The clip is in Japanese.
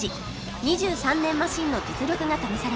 ２３年マシンの実力が試されます